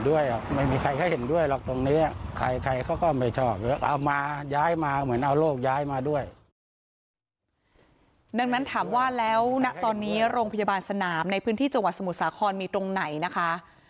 ดังนั้นถามว่าแล้วณตอนนี้โรงพยาบาลสนามในพื้นที่จังหวัดสมุทรสาครมีตรงไหนนะคะ